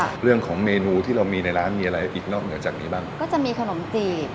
เรื่องของเมนูที่เรามีในร้านมีอะไรอีกนอกเหนือจากนี้บ้างก็จะมีขนมจีบ